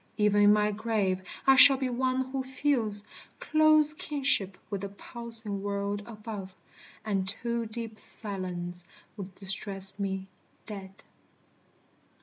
Even in my grave I shall be one who feels Close kinship with the pulsing world above; And too deep silence would distress me, dead.